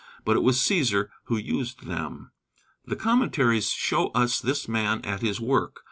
But it was Cæsar who used them. The Commentaries show us this man at his work.